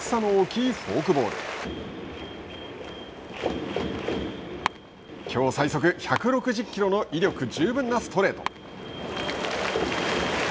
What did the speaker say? きょう最速１６０キロの威力十分なストレート。